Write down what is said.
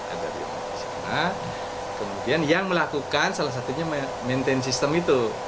ada di sana kemudian yang melakukan salah satunya maintain system itu